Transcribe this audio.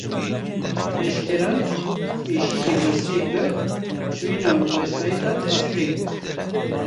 Leşkeran, pêşî li girseyê girt, çûyîna wesaîtan asteng kir